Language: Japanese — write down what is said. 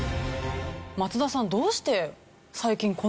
松田さん。